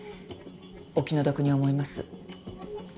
お気の毒に思います。